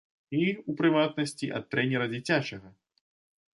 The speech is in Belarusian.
І, у прыватнасці, ад трэнера дзіцячага?